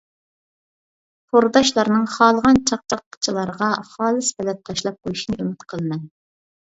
تورداشلارنىڭ خالىغان چاقچاقچىلارغا خالىس بىلەت تاشلاپ قويۇشىنى ئۈمىد قىلىمەن.